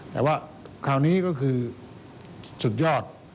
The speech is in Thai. แต่ว่าคราวนี้ก็คือสุดยอด